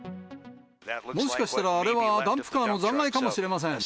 もしかしたらあれは、ダンプカーの残骸かもしれません。